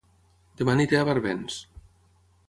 Dema aniré a Barbens